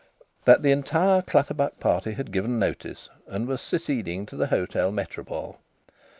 that the entire Clutterbuck party had given notice and was seceding to the Hotel Métropole.